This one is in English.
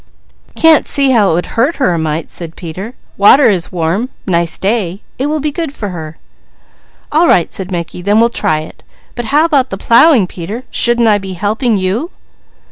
"Can't see how it would hurt her a mite," said Peter. "Water is warm, nice day. It will be good for her." "All right," said Mickey, "then we'll try it. But how about the plowing Peter, shouldn't I be helping you?"